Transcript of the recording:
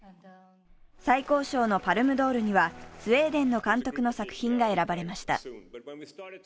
最高賞のパルムドールにはスウェーデンの監督の作品が選ばれました。